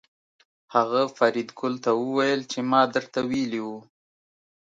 هغه فریدګل ته وویل چې ما درته ویلي وو